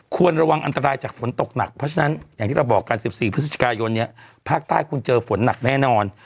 ควรระวังอันตรายจากฝนตกหนักเพราะฉะนั้นอย่างที่เราบอกกัน๑๔พฤศจิกายนเนี่ยภาคใต้คุณเจอฝนหนักแน่นอน